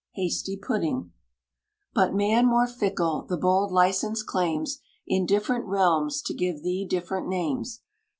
HASTY PUDDING. But man, more fickle, the bold license claims, In different realms, to give thee different names.